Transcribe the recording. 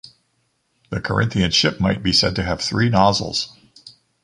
The Corinthian ship might be said to have three nozzles.